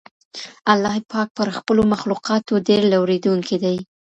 الله پاک پر خپلو مخلوقاتو ډېر لورېدونکی دی.